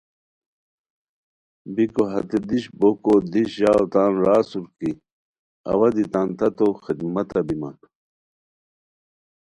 بیکو ہتے دیش بوکو دیش ژاؤ تان را اسورکی اوا دی تان تتو خدمتہ بیمان